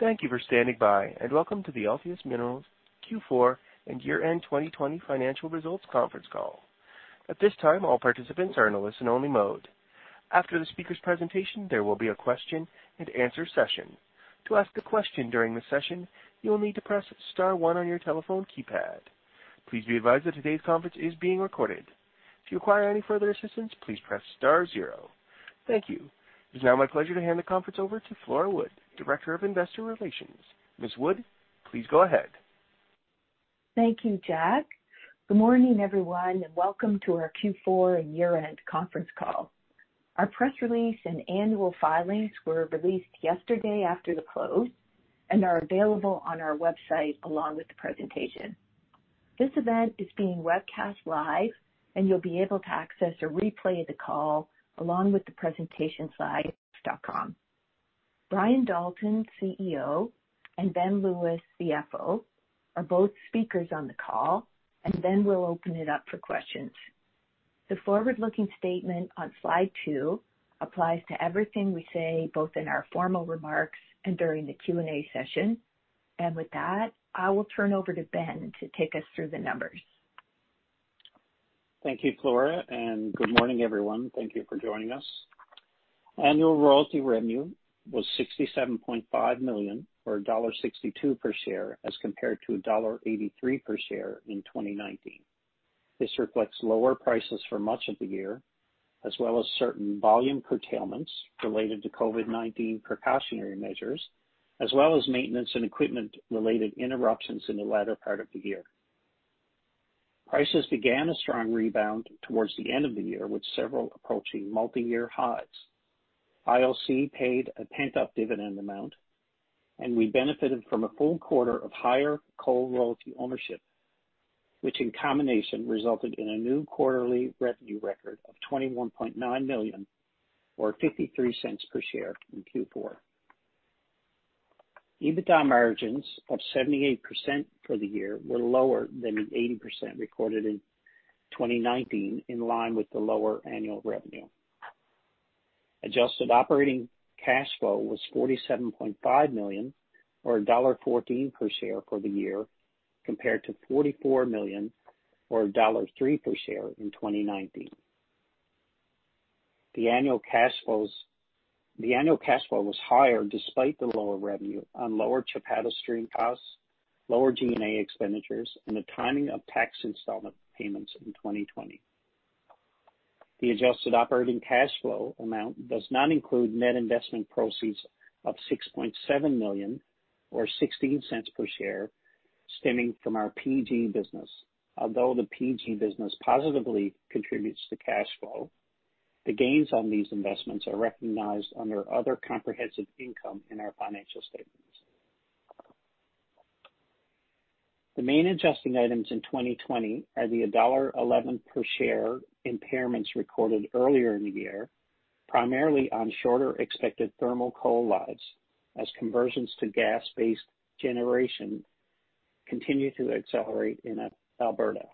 Thank you for standing by, and welcome to the Altius Minerals Q4 and Year-End 2020 Financial Results Conference Call. At this time, all participants are in a listen-only mode. After the speaker's presentation, there will be a question-and-answer session. To ask a question during the session, you will need to press star one on your telephone keypad. Please be advised that today's conference is being recorded. If you require any further assistance, please press star zero. Thank you. It's now my pleasure to hand the conference over to Flora Wood, Director of Investor Relations. Ms. Wood, please go ahead. Thank you, Jack. Good morning, everyone, and welcome to our Q4 and year-end conference call. Our press release and annual filings were released yesterday after the close and are available on our website along with the presentation. This event is being webcast live, and you'll be able to access a replay of the call along with the presentation slide, altiusminerals.com. Brian Dalton, CEO, and Ben Lewis, CFO, are both speakers on the call, and then we'll open it up for questions. The forward-looking statement on Slide 2 applies to everything we say, both in our formal remarks and during the Q&A session. With that, I will turn over to Ben to take us through the numbers. Thank you, Flora, and good morning, everyone. Thank you for joining us. Annual royalty revenue was 67.5 million, or dollar 1.62 per share as compared to dollar 1.83 per share in 2019. This reflects lower prices for much of the year, as well as certain volume curtailments related to COVID-19 precautionary measures, as well as maintenance and equipment-related interruptions in the latter part of the year. Prices began a strong rebound towards the end of the year, with several approaching multiyear highs. IOC paid a pent-up dividend amount, and we benefited from a full quarter of higher coal royalty ownership, which in combination resulted in a new quarterly revenue record of 21.9 million, or 0.53 per share in Q4. EBITDA margins of 78% for the year were lower than the 80% recorded in 2019, in line with the lower annual revenue. Adjusted operating cash flow was 47.5 million, or dollar 1.14 per share for the year, compared to 44 million or dollar 1.03 per share in 2019. The annual cash flow was higher despite the lower revenue on lower Chapada stream costs, lower G&A expenditures, and the timing of tax installment payments in 2020. The adjusted operating cash flow amount does not include net investment proceeds of 6.7 million or 0.16 per share stemming from our PG business. Although the PG business positively contributes to cash flow, the gains on these investments are recognized under other comprehensive income in our financial statements. The main adjusting items in 2020 are the dollar 1.11 per share impairments recorded earlier in the year, primarily on shorter expected thermal coal lives as conversions to gas-based generation continue to accelerate in Alberta.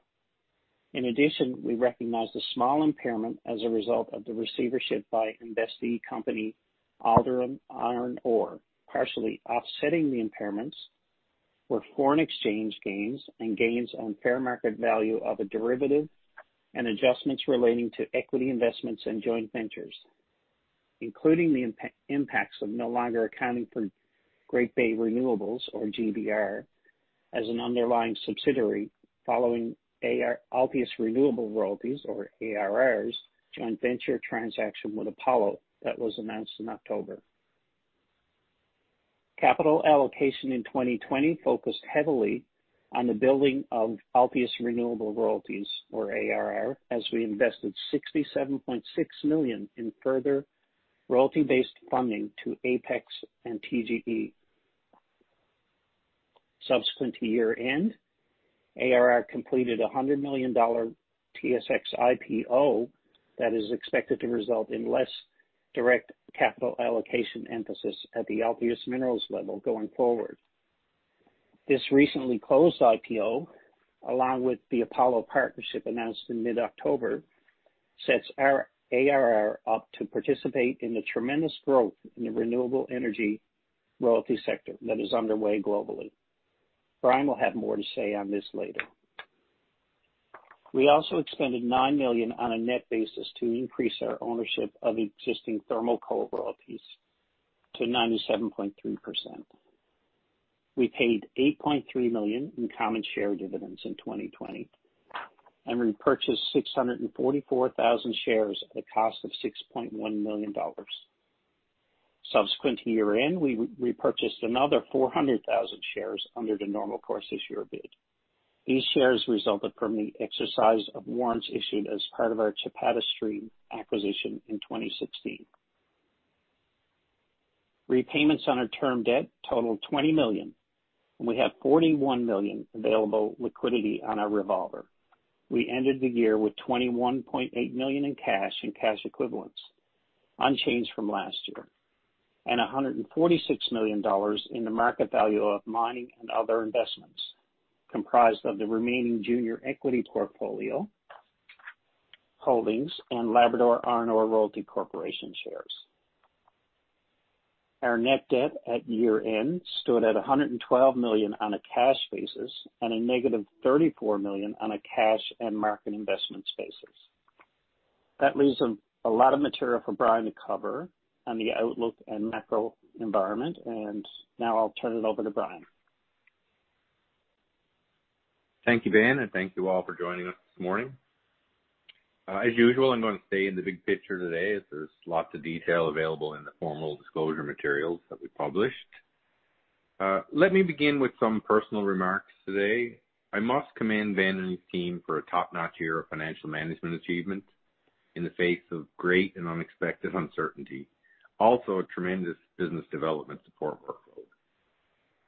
In addition, we recognized a small impairment as a result of the receivership by investee company, Alderon Iron Ore. Partially offsetting the impairments were foreign exchange gains and gains on fair market value of a derivative and adjustments relating to equity investments in joint ventures, including the impacts of no longer accounting for Great Bay Renewables or GBR as an underlying subsidiary following Altius Renewable Royalties or ARR's joint venture transaction with Apollo that was announced in October. Capital allocation in 2020 focused heavily on the building of Altius Renewable Royalties or ARR, as we invested 67.6 million in further royalty-based funding to Apex and TGE. Subsequent to year-end, ARR completed 100 million dollar TSX IPO that is expected to result in less direct capital allocation emphasis at the Altius Minerals level going forward. This recently closed IPO, along with the Apollo partnership announced in mid-October, sets ARR up to participate in the tremendous growth in the renewable energy royalty sector that is underway globally. Brian will have more to say on this later. We also expended 9 million on a net basis to increase our ownership of existing thermal coal royalties to 97.3%. We paid 8.3 million in common share dividends in 2020 and repurchased 644,000 shares at the cost of 6.1 million dollars. Subsequent to year-end, we repurchased another 400,000 shares under the normal course issuer bid. These shares resulted from the exercise of warrants issued as part of our Chapada stream acquisition in 2016. Repayments on our term debt totaled 20 million, and we have 41 million available liquidity on our revolver. We ended the year with 21.8 million in cash and cash equivalents, unchanged from last year, and 146 million dollars in the market value of mining and other investments, comprised of the remaining junior equity portfolio holdings and Labrador Iron Ore Royalty Corporation shares. Our net debt at year-end stood at 112 million on a cash basis and a negative 34 million on a cash and market investment basis. That leaves a lot of material for Brian to cover on the outlook and macro environment, and now I'll turn it over to Brian. Thank you, Ben, and thank you all for joining us this morning. As usual, I'm going to stay in the big picture today, as there's lots of detail available in the formal disclosure materials that we published. Let me begin with some personal remarks today. I must commend Ben and his team for a top-notch year of financial management achievement in the face of great and unexpected uncertainty, also a tremendous business development support workload.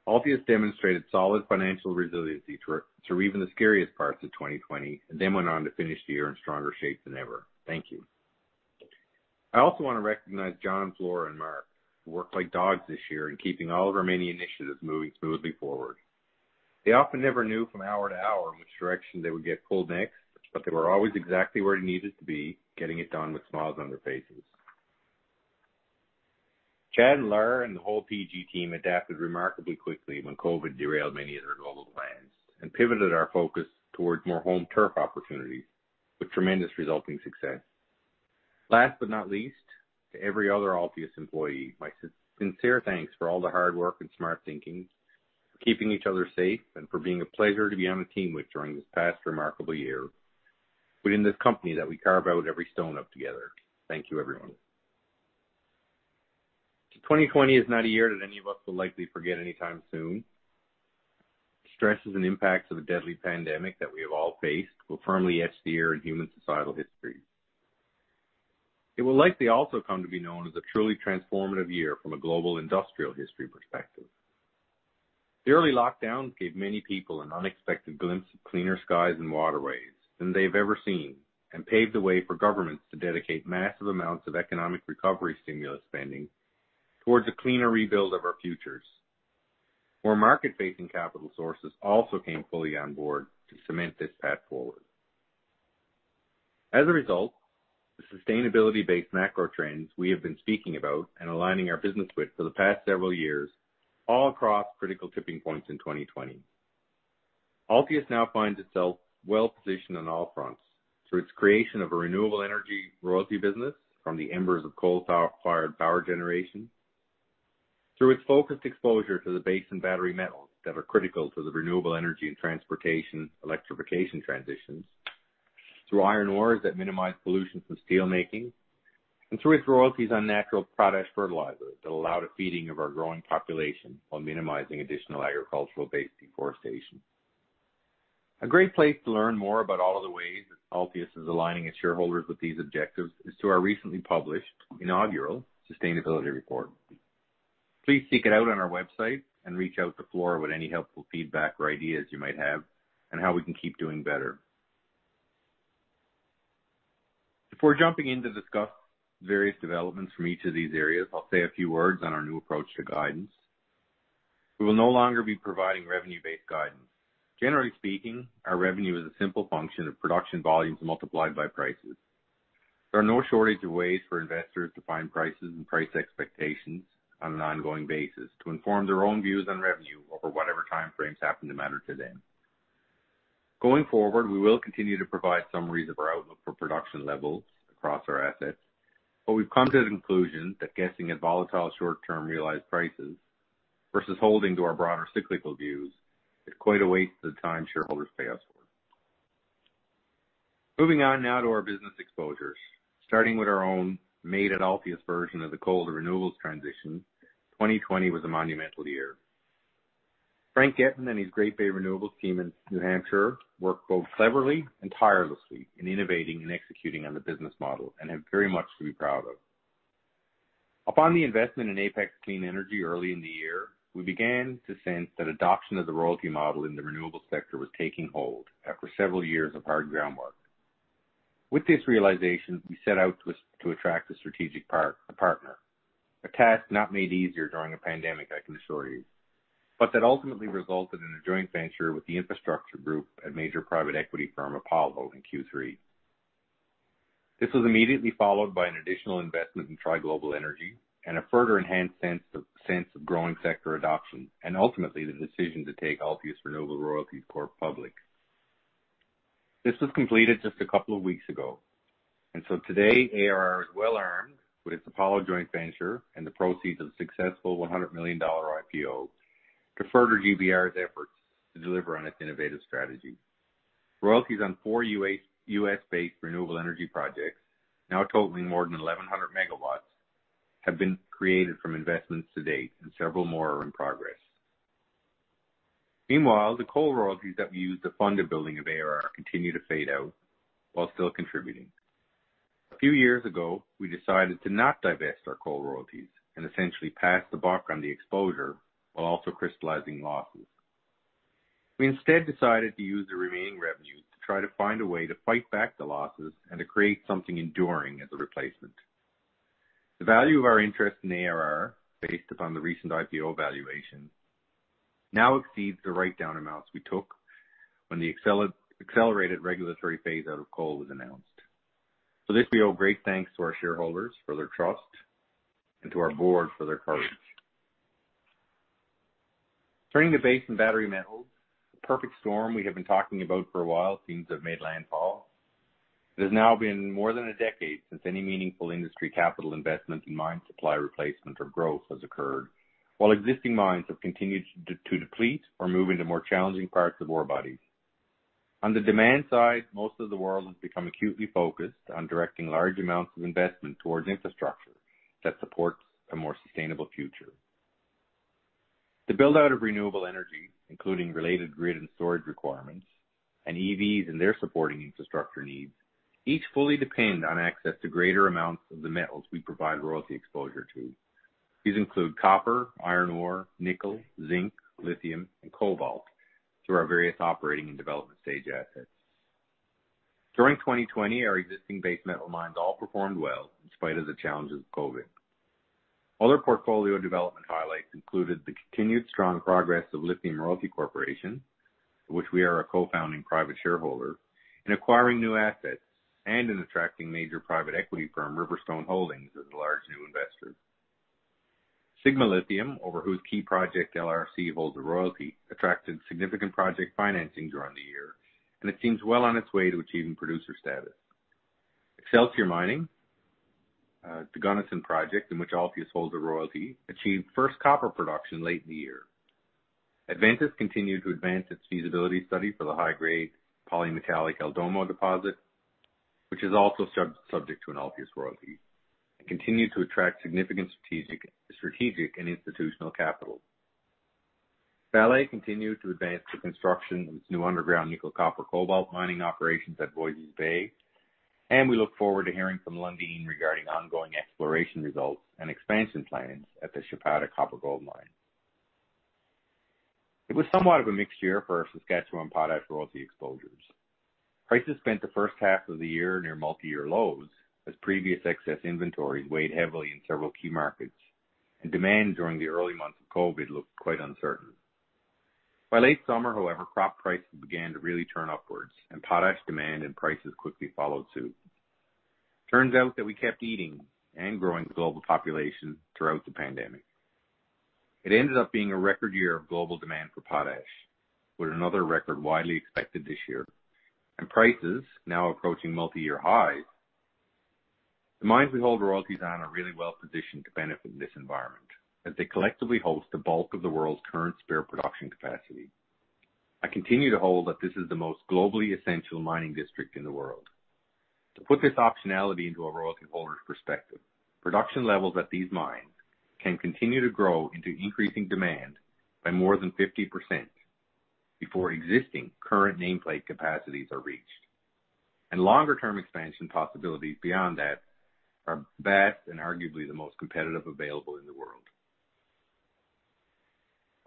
Altius demonstrated solid financial resiliency through even the scariest parts of 2020, and then went on to finish the year in stronger shape than ever. Thank you. I also want to recognize John, Flora, and Mark, who worked like dogs this year in keeping all of our many initiatives moving smoothly forward. They often never knew from hour to hour which direction they would get pulled next, but they were always exactly where they needed to be, getting it done with smiles on their faces. Chad, Ler, and the whole PG team adapted remarkably quickly when COVID derailed many of their global plans and pivoted our focus towards more home turf opportunities with tremendous resulting success. Last but not least, to every other Altius employee, my sincere thanks for all the hard work and smart thinking, for keeping each other safe, and for being a pleasure to be on the team with during this past remarkable year within this company that we carve out every stone of together. Thank you, everyone. 2020 is not a year that any of us will likely forget anytime soon. Stresses and impacts of a deadly pandemic that we have all faced will firmly etch the year in human societal history. It will likely also come to be known as a truly transformative year from a global industrial history perspective. The early lockdowns gave many people an unexpected glimpse of cleaner skies and waterways than they've ever seen and paved the way for governments to dedicate massive amounts of economic recovery stimulus spending towards a cleaner rebuild of our futures, where market-facing capital sources also came fully on board to cement this path forward. As a result, the sustainability-based macro trends we have been speaking about and aligning our business with for the past several years all crossed critical tipping points in 2020. Altius now finds itself well-positioned on all fronts through its creation of a renewable energy royalty business from the embers of coal-fired power generation, through its focused exposure to the base and battery metals that are critical to the renewable energy and transportation electrification transitions, through iron ores that minimize pollution from steel making, and through its royalties on natural product fertilizer that allow the feeding of our growing population while minimizing additional agricultural-based deforestation. A great place to learn more about all of the ways that Altius is aligning its shareholders with these objectives is through our recently published inaugural sustainability report. Please seek it out on our website and reach out to Flora with any helpful feedback or ideas you might have on how we can keep doing better. Before jumping in to discuss various developments from each of these areas, I'll say a few words on our new approach to guidance. We will no longer be providing revenue-based guidance. Generally speaking, our revenue is a simple function of production volumes multiplied by prices. There are no shortage of ways for investors to find prices and price expectations on an ongoing basis to inform their own views on revenue over whatever time frames happen to matter to them. Going forward, we will continue to provide summaries of our outlook for production levels across our assets, but we've come to the conclusion that guessing at volatile short-term realized prices versus holding to our broader cyclical views is quite a waste of the time shareholders pay us for. Moving on now to our business exposures, starting with our own "Made at Altius" version of the coal to renewables transition, 2020 was a monumental year. Frank Getman and his Great Bay Renewables team in New Hampshire worked both cleverly and tirelessly in innovating and executing on the business model and have very much to be proud of. Upon the investment in Apex Clean Energy early in the year, we began to sense that adoption of the royalty model in the renewable sector was taking hold after several years of hard groundwork. With this realization, we set out to attract a strategic partner, a task not made easier during a pandemic, I can assure you, but that ultimately resulted in a joint venture with the infrastructure group at major private equity firm Apollo in Q3. This was immediately followed by an additional investment in Tri Global Energy and a further enhanced sense of growing sector adoption, ultimately the decision to take Altius Renewable Royalties Corp public. This was completed just a couple of weeks ago. Today, ARR is well-armed with its Apollo joint venture and the proceeds of the successful 100 million dollar IPO to further GBR's efforts to deliver on its innovative strategy. Royalties on four U.S.-based renewable energy projects, now totaling more than 1,100 MW, have been created from investments to date, several more are in progress. Meanwhile, the coal royalties that we used to fund the building of ARR continue to fade out while still contributing. A few years ago, we decided to not divest our coal royalties and essentially pass the buck on the exposure while also crystallizing losses. We instead decided to use the remaining revenue to try to find a way to fight back the losses and to create something enduring as a replacement. The value of our interest in ARR, based upon the recent IPO valuation, now exceeds the write-down amounts we took when the accelerated regulatory phaseout of coal was announced. For this, we owe great thanks to our shareholders for their trust and to our board for their courage. Turning to base and battery metals, the perfect storm we have been talking about for a while seems to have made landfall. It has now been more than a decade since any meaningful industry capital investment in mine supply replacement or growth has occurred, while existing mines have continued to deplete or move into more challenging parts of ore bodies. On the demand side, most of the world has become acutely focused on directing large amounts of investment towards infrastructure that supports a more sustainable future. The build-out of renewable energy, including related grid and storage requirements, and EVs and their supporting infrastructure needs, each fully depend on access to greater amounts of the metals we provide royalty exposure to. These include copper, iron ore, nickel, zinc, lithium, and cobalt through our various operating and development stage assets. During 2020, our existing base metal mines all performed well in spite of the challenges of COVID. Other portfolio development highlights included the continued strong progress of Lithium Royalty Corporation, of which we are a co-founding private shareholder, in acquiring new assets and in attracting major private equity firm Riverstone Holdings as a large new investor. Sigma Lithium, over whose key project LRC holds a royalty, attracted significant project financing during the year, and it seems well on its way to achieving producer status. Excelsior Mining, the Gunnison project, in which Altius holds a royalty, achieved first copper production late in the year. Adventus continued to advance its feasibility study for the high-grade polymetallic El Domo deposit, which is also subject to an Altius royalty, and continued to attract significant strategic and institutional capital. Vale continued to advance the construction of its new underground nickel copper cobalt mining operations at Voisey's Bay, and we look forward to hearing from Lundin regarding ongoing exploration results and expansion plans at the Chapada copper-gold mine. It was somewhat of a mixed year for our Saskatchewan potash royalty exposures. Prices spent the first half of the year near multi-year lows as previous excess inventory weighed heavily in several key markets, and demand during the early months of COVID looked quite uncertain. By late summer, however, crop prices began to really turn upwards, and potash demand and prices quickly followed suit. Turns out that we kept eating and growing the global population throughout the pandemic. It ended up being a record year of global demand for potash, with another record widely expected this year, and prices now approaching multi-year highs. The mines we hold royalties on are really well-positioned to benefit in this environment, as they collectively host the bulk of the world's current spare production capacity. I continue to hold that this is the most globally essential mining district in the world. To put this optionality into a royalty holder's perspective, production levels at these mines can continue to grow into increasing demand by more than 50% before existing current nameplate capacities are reached, and longer-term expansion possibilities beyond that are vast and arguably the most competitive available in the world.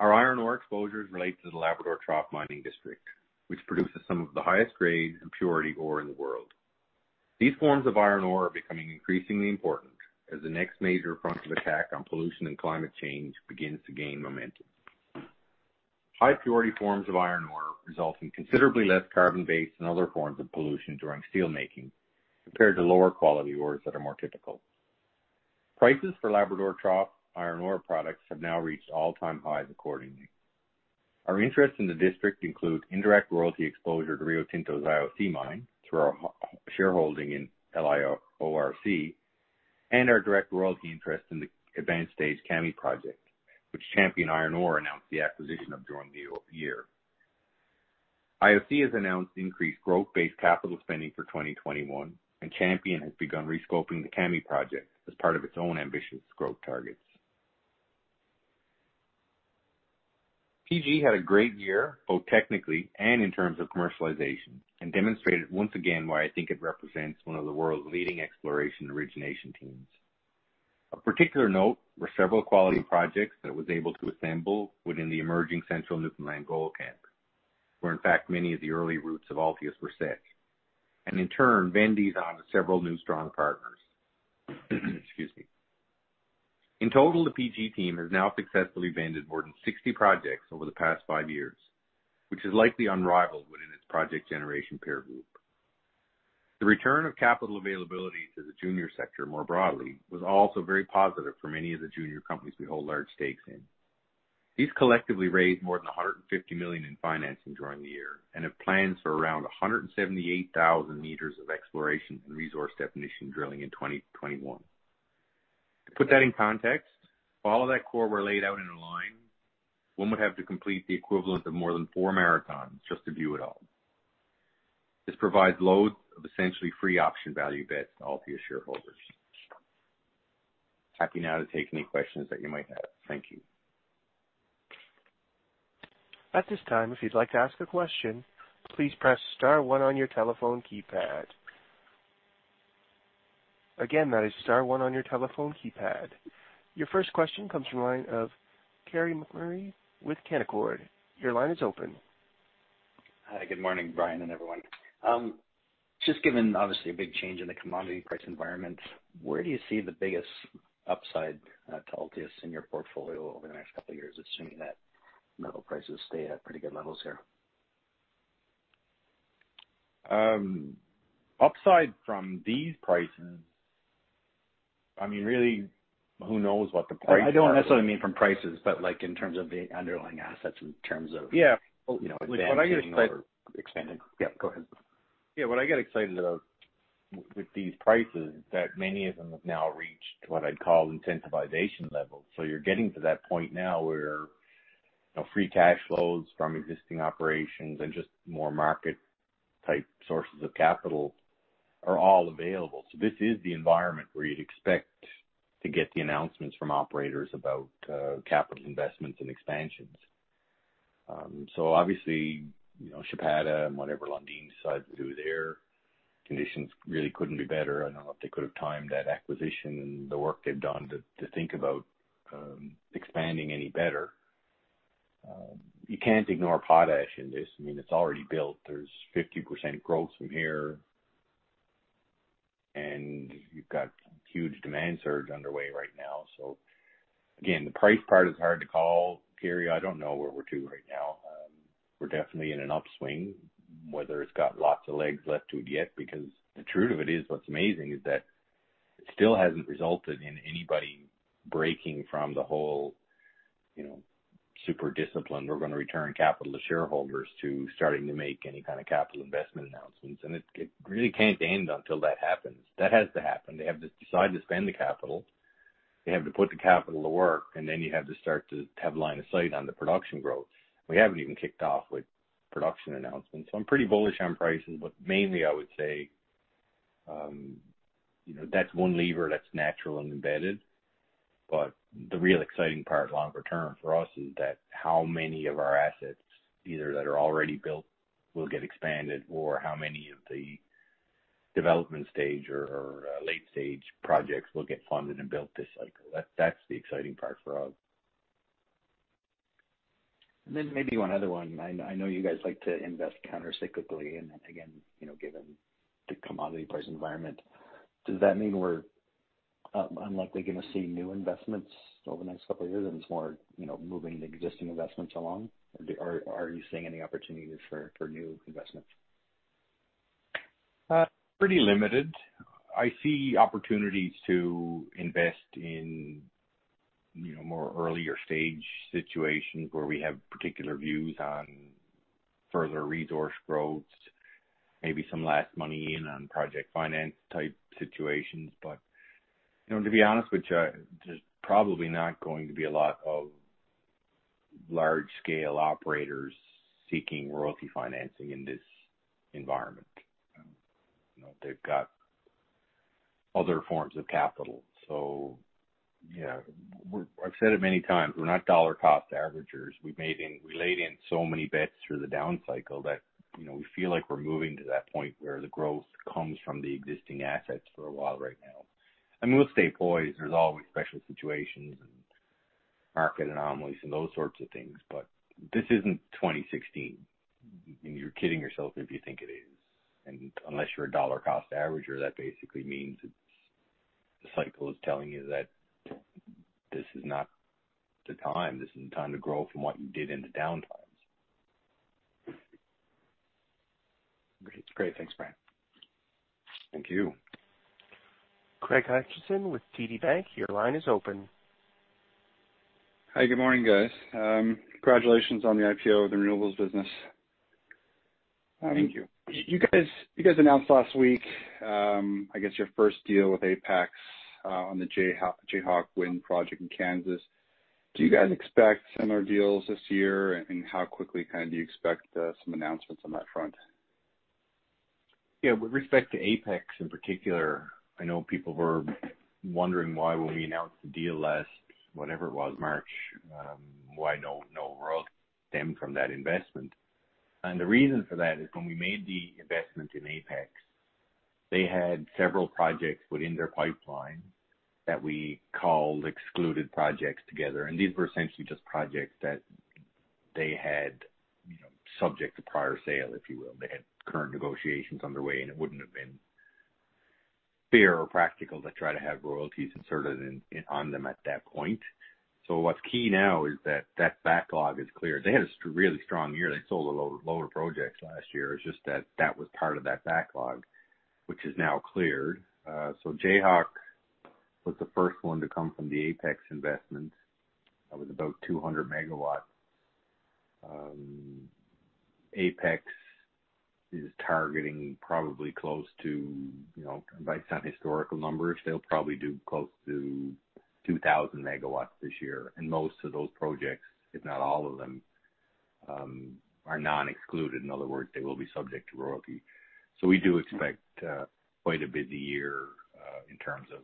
Our iron ore exposures relate to the Labrador Trough mining district, which produces some of the highest grade and purity ore in the world. These forms of iron ore are becoming increasingly important as the next major front of attack on pollution and climate change begins to gain momentum. High purity forms of iron ore result in considerably less carbon-based and other forms of pollution during steel making compared to lower quality ores that are more typical. Prices for Labrador Trough iron ore products have now reached all-time highs accordingly. Our interest in the district include indirect royalty exposure to Rio Tinto's IOC mine through our shareholding in LIORC, and our direct royalty interest in the advanced stage Kami project, which Champion Iron Ore announced the acquisition of during the year. IOC has announced increased growth-based capital spending for 2021, and Champion has begun re-scoping the Kami project as part of its own ambitious growth targets. PG had a great year, both technically and in terms of commercialization, and demonstrated once again why I think it represents one of the world's leading exploration origination teams. Of particular note were several quality projects that it was able to assemble within the emerging central Newfoundland gold camp, where in fact many of the early roots of Altius were set, and in turn, vended these on to several new strong partners. Excuse me. In total, the PG team has now successfully vended more than 60 projects over the past five years, which is likely unrivaled within its project generation peer group. The return of capital availability to the junior sector more broadly was also very positive for many of the junior companies we hold large stakes in. These collectively raised more than 150 million in financing during the year and have plans for around 178,000 meters of exploration and resource definition drilling in 2021. To put that in context, if all of that core were laid out in a line, one would have to complete the equivalent of more than four marathons just to view it all. This provides loads of essentially free option value bets to Altius shareholders. Happy now to take any questions that you might have. Thank you. At this time, if you'd like to ask a question, please press star one on your telephone keypad. Again, that is star one on your telephone keypad. Your first question comes from the line of Carey MacRury with Canaccord. Your line is open Hi, good morning, Brian and everyone. Just given, obviously, a big change in the commodity price environment, where do you see the biggest upside to Altius in your portfolio over the next couple of years, assuming that metal prices stay at pretty good levels here? Upside from these prices, really, who knows what the price- I don't necessarily mean from prices, but in terms of the underlying assets in terms of- Yes. Well, what I get excited- advancing or expanding. Yes, go ahead. Yes. What I get excited about with these prices is that many of them have now reached what I'd call intensification levels. You're getting to that point now where free cash flows from existing operations and just more market type sources of capital are all available. This is the environment where you'd expect to get the announcements from operators about capital investments and expansions. Obviously, Chapada and whatever Lundin decides to do there, conditions really couldn't be better. I don't know if they could have timed that acquisition and the work they've done to think about expanding any better. You can't ignore potash in this. It's already built. There's 50% growth from here, and you've got a huge demand surge underway right now. Again, the price part is hard to call, Carey. I don't know where we're to right now. We're definitely in an upswing, whether it's got lots of legs left to it yet. Because the truth of it is, what's amazing is that it still hasn't resulted in anybody breaking from the whole super discipline, we're going to return capital to shareholders to starting to make any kind of capital investment announcements. It really can't end until that happens. That has to happen. They have to decide to spend the capital, they have to put the capital to work, and then you have to start to have line of sight on the production growth. We haven't even kicked off with production announcements. I'm pretty bullish on prices, but mainly I would say, that's one lever that's natural and embedded. The real exciting part longer term for us is that how many of our assets, either that are already built, will get expanded, or how many of the development stage or late-stage projects will get funded and built this cycle. That's the exciting part for us. Maybe one other one. I know you guys like to invest counter-cyclically, and again, given the commodity price environment, does that mean we're unlikely going to see new investments over the next couple of years, and it's more moving the existing investments along? Are you seeing any opportunities for new investments? Pretty limited. I see opportunities to invest in more earlier stage situations where we have particular views on further resource growth, maybe some last money in on project finance type situations. To be honest with you, there's probably not going to be a lot of large-scale operators seeking royalty financing in this environment. They've got other forms of capital. I've said it many times, we're not dollar cost averagers. We laid in so many bets through the down cycle that we feel like we're moving to that point where the growth comes from the existing assets for a while right now. We'll stay poised. There's always special situations and market anomalies and those sorts of things, but this isn't 2016, and you're kidding yourself if you think it is. Unless you're a dollar cost averager, that basically means the cycle is telling you that this is not the time. This isn't the time to grow from what you did in the downtimes. Great. Thanks, Brian. Thank you. Craig Hutchison with TD Cowen, your line is open. Hi. Good morning, guys. Congratulations on the IPO of the renewables business. Thank you. You guys announced last week, I guess your first deal with Apex on the Jayhawk Wind Project in Kansas. Do you guys expect similar deals this year? How quickly do you expect some announcements on that front? Yes. With respect to Apex in particular, I know people were wondering why when we announced the deal last, whenever it was, March, why no royalty stemmed from that investment. The reason for that is when we made the investment in Apex, they had several projects within their pipeline that we called excluded projects together. These were essentially just projects that they had subject to prior sale, if you will. They had current negotiations underway, and it wouldn't have been fair or practical to try to have royalties inserted on them at that point. What's key now is that backlog is cleared. They had a really strong year. They sold a load of projects last year. It's just that that was part of that backlog, which is now cleared. Jayhawk was the first one to come from the Apex investment. That was about 200 MW. Apex is targeting probably close to, based on historical numbers, they'll probably do close to 2,000 MW this year. Most of those projects, if not all of them, are non-excluded. In other words, they will be subject to royalty. We do expect quite a busy year in terms of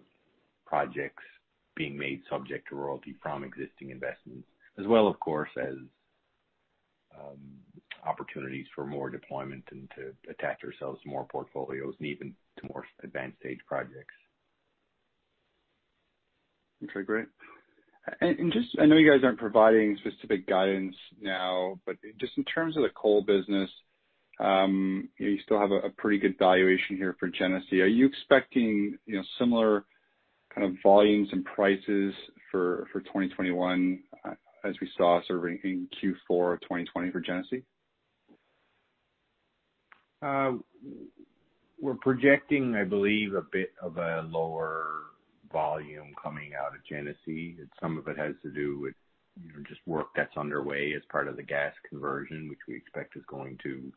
projects being made subject to royalty from existing investments. As well, of course, as opportunities for more deployment and to attach ourselves to more portfolios and even to more advanced stage projects. Okay, great. I know you guys aren't providing specific guidance now, but just in terms of the coal business, you still have a pretty good valuation here for Genesee. Are you expecting similar kind of volumes and prices for 2021, as we saw sort of in Q4 2020 for Genesee? We're projecting, I believe, a bit of a lower volume coming out of Genesee. Some of it has to do with just work that's underway as part of the gas conversion, which we expect is going to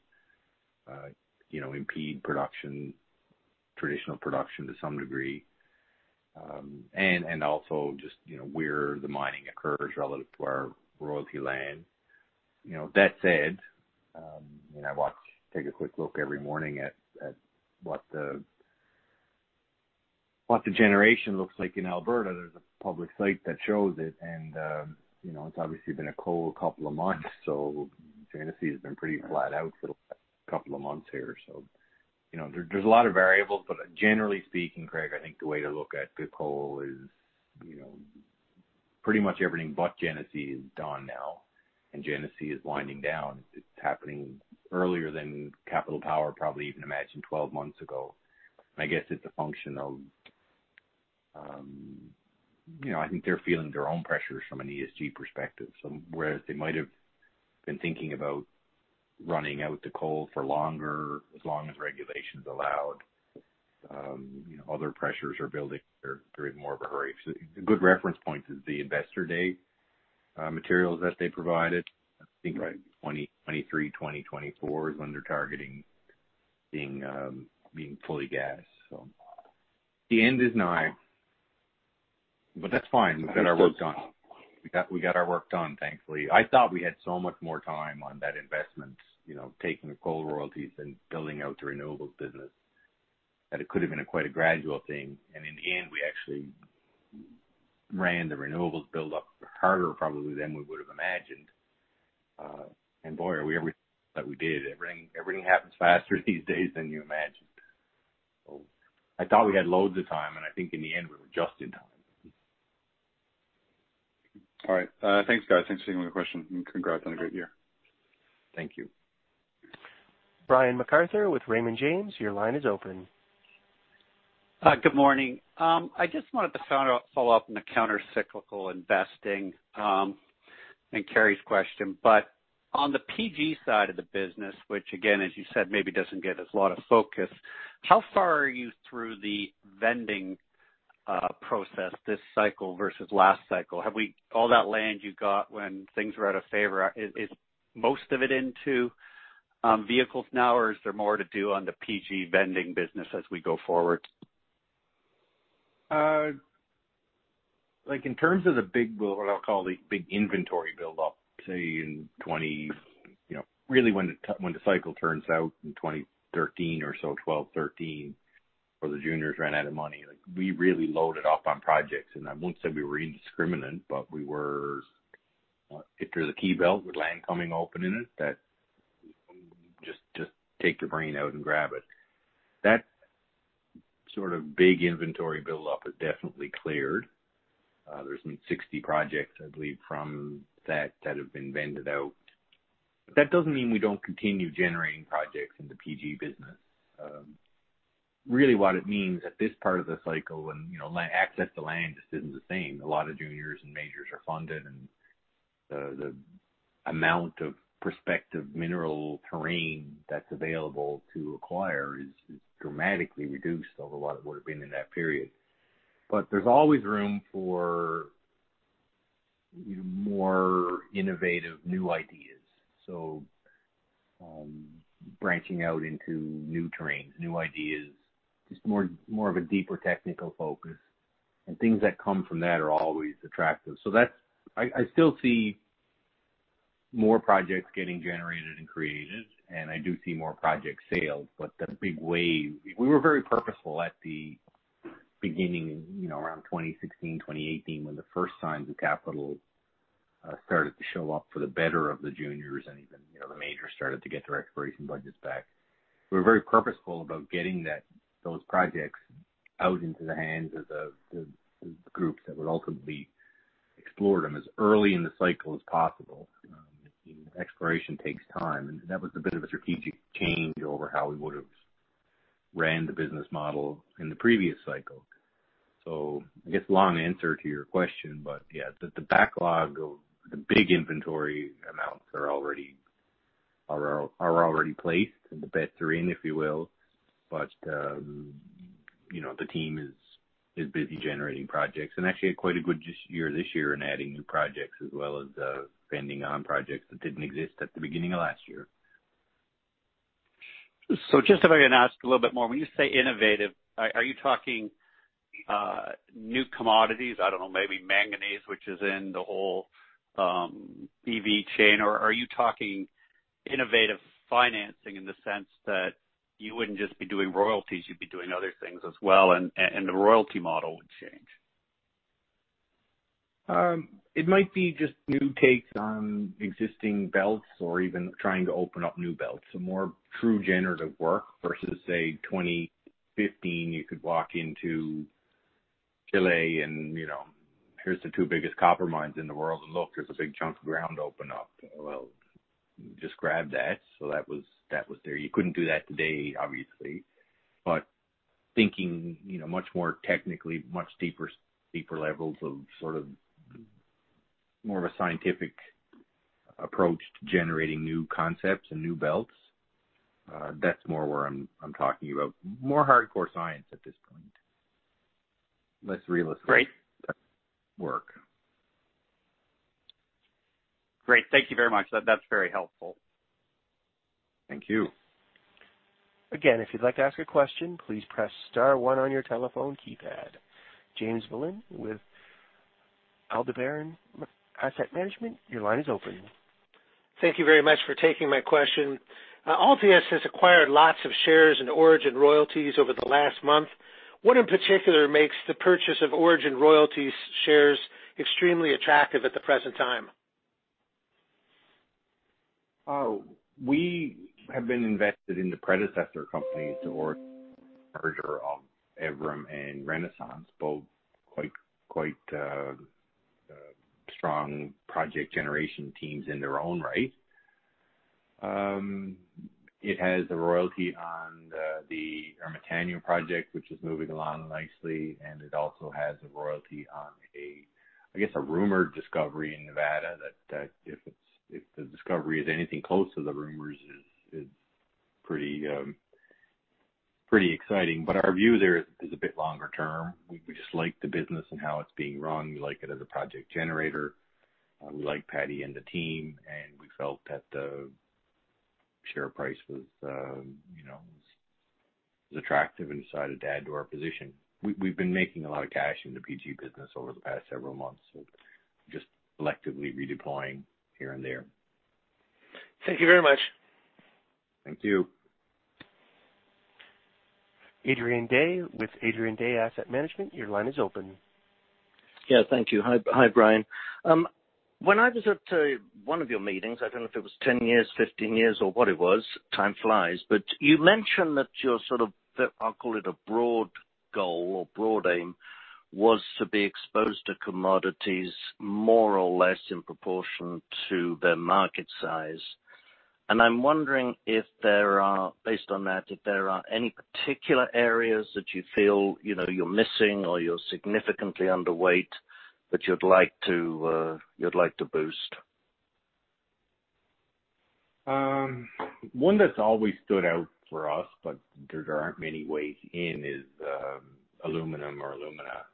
impede traditional production to some degree. also just where the mining occurs relative to our royalty land. That said, I take a quick look every morning at what the generation looks like in Alberta. There's a public site that shows it, and it's obviously been a cold couple of months, so Genesee has been pretty flat out for the past couple of months here. there's a lot of variables, but generally speaking, Craig, I think the way to look at the coal is, pretty much everything but Genesee is done now, and Genesee is winding down. It's happening earlier than Capital Power probably even imagined 12 months ago. I guess it's a function of, I think they're feeling their own pressures from an ESG perspective. Whereas they might have been thinking about running out the coal for longer, as long as regulations allowed, other pressures are building. They're in more of a hurry. A good reference point is the investor day materials that they provided. Right. I think by 2023, 2024 is when they're targeting being fully gassed. The end is nigh, but that's fine. We got our work done. We got our work done, thankfully. I thought we had so much more time on that investment, taking the coal royalties and building out the renewables business, that it could have been quite a gradual thing. In the end, we actually ran the renewables buildup harder probably than we would have imagined. Boy, are we ever that we did. Everything happens faster these days than you imagined. I thought we had loads of time, and I think in the end, we were just in time. All right. Thanks, guys. Thanks for taking my question, and congrats on a great year. Thank you. Brian MacArthur with Raymond James. Your line is open. Good morning. I just wanted to follow up on the countercyclical investing and Carey's question. On the PG side of the business, which again, as you said, maybe doesn't get a lot of focus, how far are you through the vending process this cycle versus last cycle? All that land you got when things were out of favor, is most of it into vehicles now, or is there more to do on the PG vending business as we go forward? In terms of what I'll call the big inventory buildup, really when the cycle turns out in 2013 or so, 2012, 2013, all the juniors ran out of money. We really loaded up on projects, and I wouldn't say we were indiscriminate, but we were, if there's a key belt with land coming open in it, just take the brain out and grab it. That sort of big inventory buildup has definitely cleared. There's been 60 projects, I believe, from that that have been vended out. that doesn't mean we don't continue generating projects in the PG business. Really what it means at this part of the cycle when access to land just isn't the same. A lot of juniors and majors are funded, and the amount of prospective mineral terrain that's available to acquire is dramatically reduced, although a lot of it would have been in that period. There's always room for more innovative new ideas. Branching out into new terrains, new ideas, just more of a deeper technical focus, and things that come from that are always attractive. I still see more projects getting generated and created, and I do see more projects sold, but the big wave. We were very purposeful at the beginning, around 2016, 2018, when the first signs of capital started to show up for the better of the juniors and even the majors started to get their exploration budgets back. We were very purposeful about getting those projects out into the hands of the groups that would ultimately explore them as early in the cycle as possible. Exploration takes time, and that was a bit of a strategic change over how we would have ran the business model in the previous cycle. I guess long answer to your question, but the backlog of the big inventory amounts are already placed, and the bets are in, if you will. The team is busy generating projects, and actually had quite a good year this year in adding new projects as well as vending on projects that didn't exist at the beginning of last year. If I can ask a little bit more, when you say innovative, are you talking new commodities? I don't know, maybe manganese, which is in the whole EV chain, or are you talking innovative financing in the sense that you wouldn't just be doing royalties, you'd be doing other things as well, and the royalty model would change? It might be just new takes on existing belts or even trying to open up new belts. more true generative work versus, say, 2015, you could walk into Chile and here's the two biggest copper mines in the world, and look, there's a big chunk of ground open up. Well, just grab that. that was there. You couldn't do that today, obviously. thinking much more technically, much deeper levels of more of a scientific approach to generating new concepts and new belts. That's more where I'm talking about. More hardcore science at this point. Less realistic work. Great. Thank you very much. That's very helpful. Thank you. Again, if you'd like to ask a question, please press star one on your telephone keypad. James Belin with Aldebaran Asset Management, your line is open. Thank you very much for taking my question. Altius has acquired lots of shares in Orogen Royalties over the last month. What in particular makes the purchase of Orogen Royalties shares extremely attractive at the present time? We have been invested in the predecessor companies to Orogen, the merger of Evrim and Renaissance, both quite strong project generation teams in their own right. It has a royalty on the Ermitaño project, which is moving along nicely, and it also has a royalty on, I guess, a rumored discovery in Nevada that if the discovery is anything close to the rumors, it's pretty exciting. Our view there is a bit longer term. We just like the business and how it's being run. We like it as a project generator. We like Paddy and the team, and we felt that the share price was attractive and decided to add to our position. We've been making a lot of cash in the PG business over the past several months, so just selectively redeploying here and there. Thank you very much. Thank you. Adrian Day with Adrian Day Asset Management, your line is open. Yes, thank you. Hi, Brian. When I was at one of your meetings, I don't know if it was 10 years, 15 years or what it was, time flies, but you mentioned that your, I'll call it a broad goal or broad aim, was to be exposed to commodities more or less in proportion to their market size. I'm wondering if there are, based on that, if there are any particular areas that you feel you're missing or you're significantly underweight that you'd like to boost. One that's always stood out for us, but there aren't many ways in, is aluminum or alumina.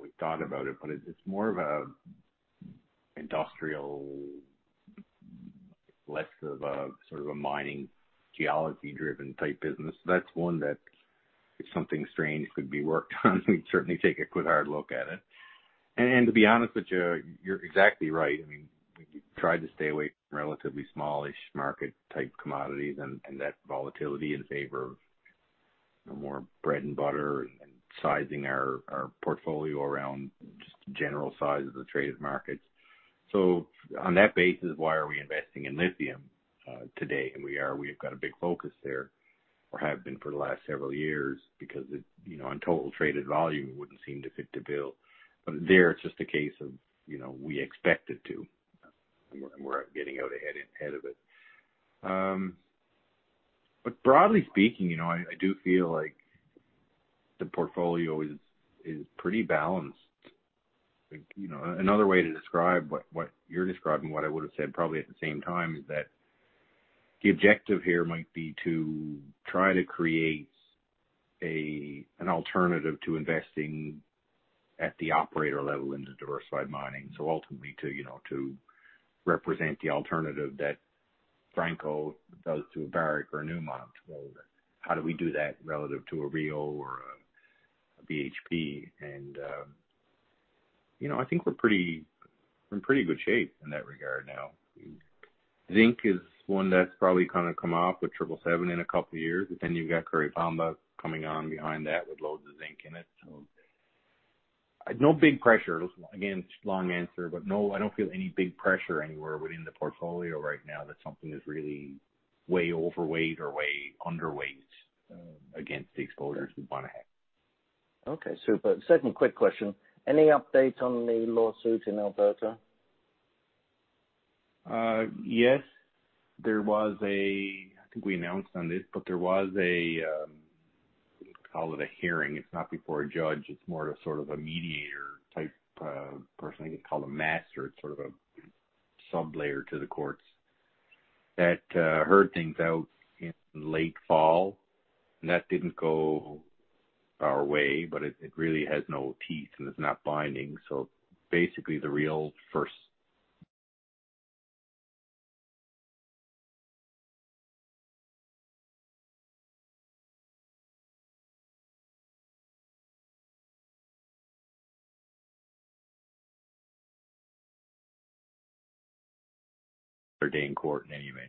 We've thought about it, but it's more of an industrial, less of a mining, geology-driven type business. That's one that if something strange could be worked on, we'd certainly take a good hard look at it. To be honest with you're exactly right. We've tried to stay away from relatively smallish market type commodities and that volatility in favor of more bread-and-butter and sizing our portfolio around just the general size of the traded markets. On that basis, why are we investing in lithium today? We are. We have got a big focus there or have been for the last several years because on total traded volume, it wouldn't seem to fit the bill. There, it's just a case of, and we're getting out ahead of it. broadly speaking, I do feel like the portfolio is pretty balanced. Another way to describe what you're describing, what I would've said probably at the same time, is that the objective here might be to try to create an alternative to investing at the operator level into diversified mining. ultimately to represent the alternative that Franco does to a Barrick or a Newmont. How do we do that relative to a Rio or a BHP? I think we're in pretty good shape in that regard now. Zinc is one that's probably going to come off with Triple 7 in a couple of years, but then you've got Curipamba coming on behind that with loads of zinc in it. No big pressures. Again, long answer, but no, I don't feel any big pressure anywhere within the portfolio right now that something is really way overweight or way underweight against the exposures we want to have. Okay, super. Second quick question. Any update on the lawsuit in Alberta? Yes. I think we announced on this, but call it a hearing. It's not before a judge, it's more of a mediator type person. I think it's called a master. It's sort of a sub-layer to the courts. That heard things out in late fall, and that didn't go our way, but it really has no teeth, and it's not binding. Basically, the real first day in court anyway.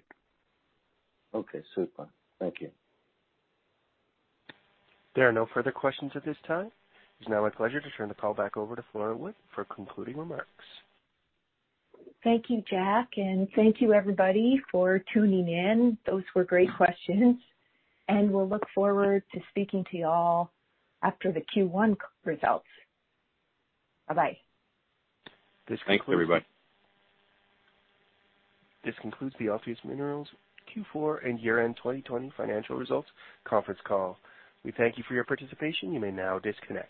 Okay, super. Thank you. There are no further questions at this time. It's now my pleasure to turn the call back over to Flora Wood for concluding remarks. Thank you, Jack. Thank you everybody for tuning in. Those were great questions, and we'll look forward to speaking to you all after the Q1 results. Bye-bye. Thanks, everybody. This concludes the Altius Minerals Q4 and year-end 2020 financial results conference call. We thank you for your participation. You may now disconnect.